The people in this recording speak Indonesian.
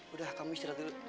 udah kamu istirahat dulu